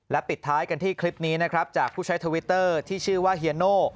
ปิดท้ายกันที่คลิปนี้นะครับจากผู้ใช้ทวิตเตอร์ที่ชื่อว่าเฮียโน่